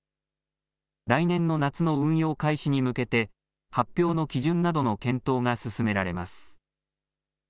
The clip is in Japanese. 来年の夏の運用開始に向けて発表の基準などの検討が進められます。